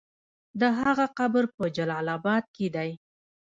د هغه قبر په جلال اباد کې دی.